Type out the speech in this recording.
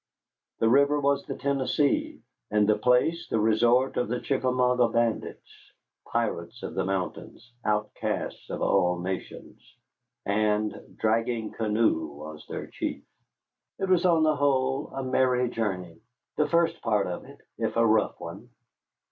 The river was the Tennessee, and the place the resort of the Chickamauga bandits, pirates of the mountains, outcasts of all nations. And Dragging Canoe was their chief. It was on the whole a merry journey, the first part of it, if a rough one.